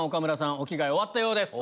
お着替え終わったようです。